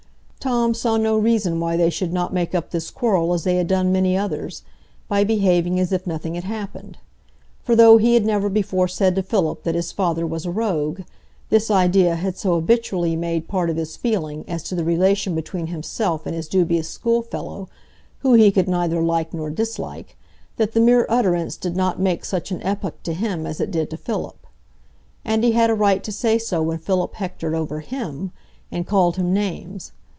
Tom saw no reason why they should not make up this quarrel as they had done many others, by behaving as if nothing had happened; for though he had never before said to Philip that his father was a rogue, this idea had so habitually made part of his feeling as to the relation between himself and his dubious schoolfellow, whom he could neither like nor dislike, that the mere utterance did not make such an epoch to him as it did to Philip. And he had a right to say so when Philip hectored over him, and called him names.